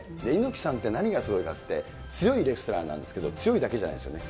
猪木さんって何がすごいかって、強いレスラーなんですけど、強いだけじゃないんですね。